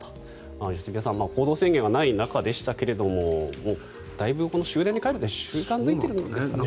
良純さん行動制限がない中でしたがだいぶ終電で帰るっていうのが習慣付いているんですかね。